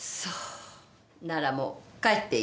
ならもう帰っていいわ。